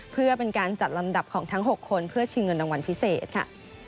เพื่อเป็นการจัดลำดับของทั้ง๖คนเพื่อชิงเงินรางวัลพิเศษค่ะ